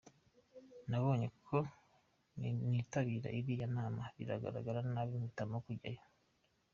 Nabonye ko nintitabira iriya nama biragaragara nabi mpitamo kujyayo.